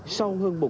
sau hơn một tháng mất